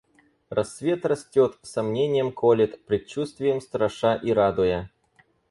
Рассвет растет, сомненьем колет, предчувствием страша и радуя.